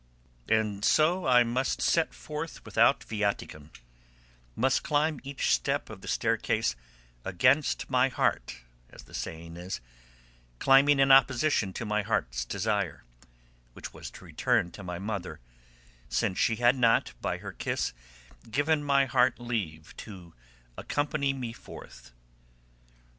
And so I must set forth without viaticum; must climb each step of the staircase 'against my heart,' as the saying is, climbing in opposition to my heart's desire, which was to return to my mother, since she had not, by her kiss, given my heart leave to accompany me forth.